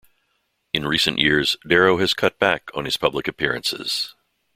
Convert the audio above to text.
In recent years, Darrow has cut back on his public appearances.